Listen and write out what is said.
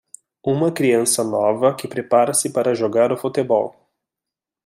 Uma criança nova que prepara-se para jogar o futebol.